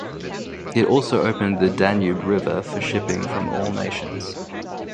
It also opened the Danube River for shipping from all nations.